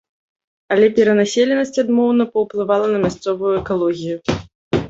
Але перанаселенасць адмоўна паўплывала на мясцовую экалогію.